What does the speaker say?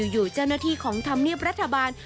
อยู่เจ้าหน้าที่ของธรรมเนียบรัฐบาล